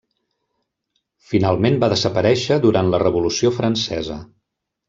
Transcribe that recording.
Finalment va desaparèixer durant la Revolució Francesa.